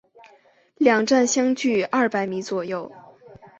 两站相距二百米左右。